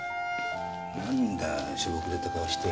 なんだしょぼくれた顔して。